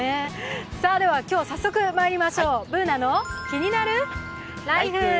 今日早速まいりましょう「ＢｏｏｎａのキニナルＬＩＦＥ」。